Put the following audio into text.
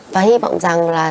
và hy vọng rằng là